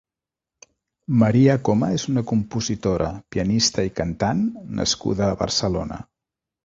Maria Coma és una compositora, pianista i cantant nascuda a Barcelona.